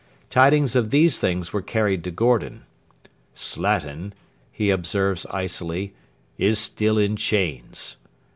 Tidings of these things were carried to Gordon. 'Slatin,' he observes icily, 'is still in chains.'